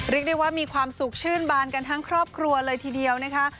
เรียกได้ว่ามีความสุขชื่นบานกันทั้งครอบครัวเลยทีเดียวนะคะ